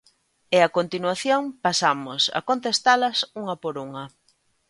E a continuación pasamos a contestalas unha por unha.